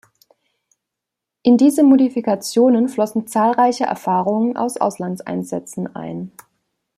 In diese Modifikationen flossen zahlreiche Erfahrungen aus Auslandseinsätzen ein.